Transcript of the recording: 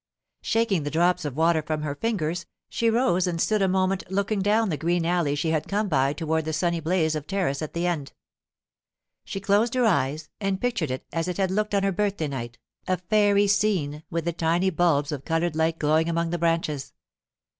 Shaking the drops of water from her fingers, she rose and stood a moment looking down the green alley she had come by toward the sunny blaze of terrace at the end. She closed her eyes and pictured it as it had looked on her birthday night, a fairy scene, with the tiny bulbs of coloured light glowing among the branches.